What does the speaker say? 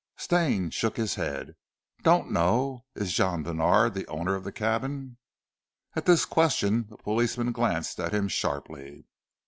Stane shook his head. "Don't know. Is Jean Bènard the owner of the cabin?" At this question the policeman glanced at him sharply.